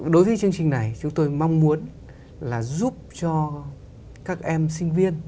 đối với chương trình này chúng tôi mong muốn là giúp cho các em sinh viên